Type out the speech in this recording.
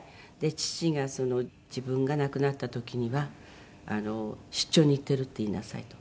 父が自分が亡くなった時には出張に行ってるって言いなさいと。